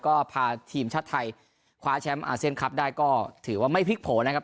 ก็พาทีมชาติไทยคว้าแชมป์อาเซียนคลับได้ก็ถือว่าไม่พลิกโผล่นะครับ